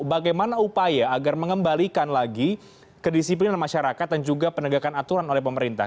bagaimana upaya agar mengembalikan lagi kedisiplinan masyarakat dan juga penegakan aturan oleh pemerintah